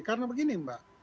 karena begini mbak